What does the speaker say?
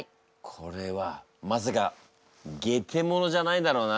これはまさかゲテモノじゃないだろうな。